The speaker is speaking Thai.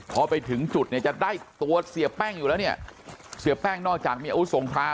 พอไปถึงจุดเนี่ยจะได้ตัวเสียแป้งอยู่แล้วเนี่ยเสียแป้งนอกจากมีอาวุธสงคราม